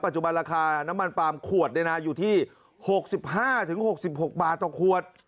จุบันราคาน้ำมันปาล์มขวดอยู่ที่๖๕๖๖บาทต่อขวด